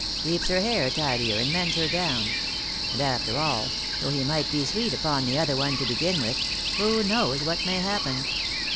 Keeps her hair tidier, and mends her gown. And after all — though he might be sweet upon the other one to begin with — who knows what may happen